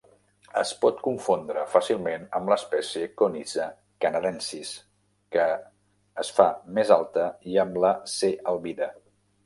Es pot confondre fàcilment amb l'espècie "Conyza canadensis", que es fa més alta, i amb la "C. albida".